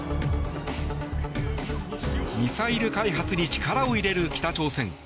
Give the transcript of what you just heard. ミサイル開発に力を入れる北朝鮮。